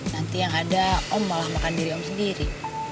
nanti yang ada om malah makan diri om sendiri